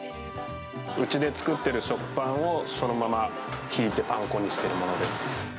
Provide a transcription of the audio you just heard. うちで作ってる食パンをそのままひいてパン粉にしているものです。